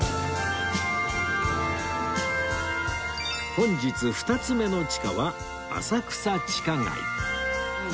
本日２つ目の地下は浅草地下街